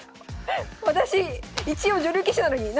私一応女流棋士なのに。